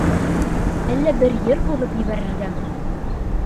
Әллә бер йыр һуҙып ебәрергәме?